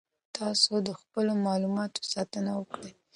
تاسو د خپلو معلوماتو ساتنه وکړئ.